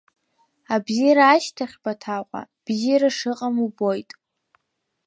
Абзиара ашьҭахь, Баҭаҟәа, бзиара шыҟам убоит.